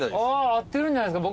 会ってるんじゃないですか